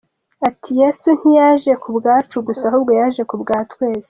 Ati “Yesu ntiyaje ku bwacu gusa ahubwo yaje ku bwa twese.